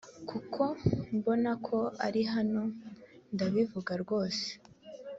kuko mbona ko ari ko ari hano ndabivuga rwose